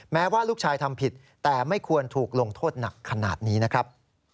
แม้ว่าลูกชายทำผิดแต่ไม่ควรถูกลงโทษหนักขนาดนี้นะครับ